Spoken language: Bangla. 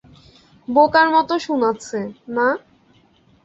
বোকার মত শুনাচ্ছে, না?